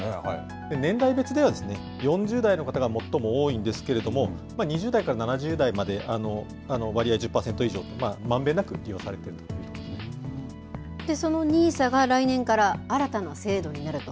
年代別では、４０代の方が最も多いんですけれども、２０代から７０代まで割合１０％以上と、そのＮＩＳＡが来年から、新たな制度になると。